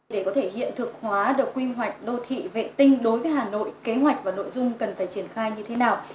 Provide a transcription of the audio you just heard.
để có thể hiện thực hóa được quy hoạch đô thị vệ tinh đối với hà nội kế hoạch và nội dung cần phải triển khai như thế nào